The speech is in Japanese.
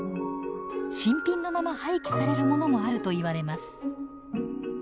新品のまま廃棄されるものもあるといわれます。